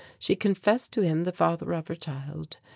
She confessed to him the father of her child.